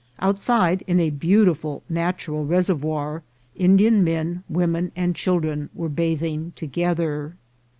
Outside, in a beautiful natural reservoir, Indian men, women, and children were bathing together.